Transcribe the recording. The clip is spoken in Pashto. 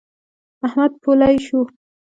احمد پولۍ شو.